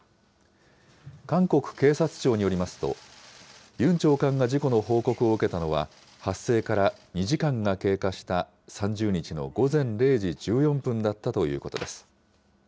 韓国警察庁によりますと、ユン長官が事故の報告を受けたのは、発生から２時間が経過した３０日の午前０時１４分だったということです。